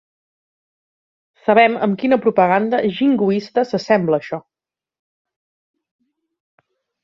Sabem amb quina propaganda jingoista s'assembla això.